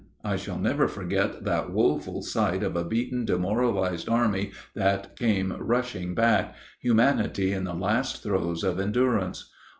I shall never forget that woeful sight of a beaten, demoralized army that came rushing back, humanity in the last throes of endurance.